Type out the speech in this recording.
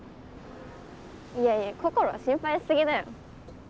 いやいや心は心配しすぎだよ。